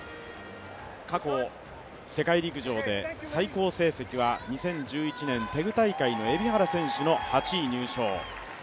過去世界陸上で最高成績は２０１１年テグ大会の海老原選手の８位入賞。